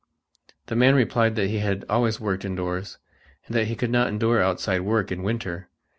The man replied that he had always worked indoors and that he could not endure outside work in winter.